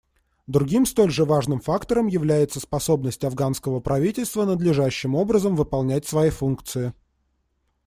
Другим столь же важным фактором является способность афганского правительства надлежащим образом выполнять свои функции.